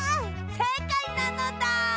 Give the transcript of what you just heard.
せいかいなのだ！